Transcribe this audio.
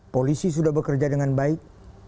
polisi sudah bekerja dengan baik